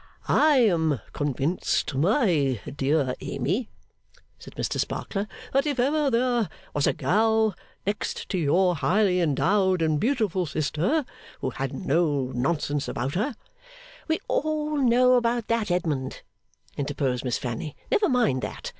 'I am convinced, my dear Amy,' said Mr Sparkler, 'that if ever there was a girl, next to your highly endowed and beautiful sister, who had no nonsense about her ' 'We know all about that, Edmund,' interposed Miss Fanny. 'Never mind that.